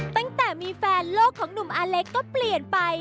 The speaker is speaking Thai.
ตั้งแต่มีแฟนโลกของหนุ่มอาเล็กก็เปลี่ยนไป